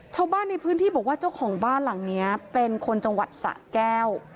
ชาวบ้านในพื้นที่บอกว่าเจ้าของบ้านหลังนี้เป็นคนจังหวัดสะแก้ว